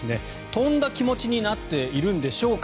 飛んだ気持ちになっているんでしょうか。